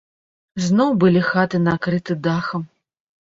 Зноў былі хаты накрыты дахам.